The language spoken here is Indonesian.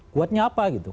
kuatnya apa gitu